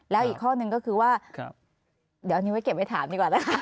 แล้วอีกข้อหนึ่งก็คือว่าเดี๋ยวอันนี้ไว้เก็บไว้ถามดีกว่านะคะ